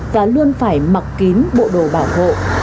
và luôn phải mặc kín bộ đồ bảo hộ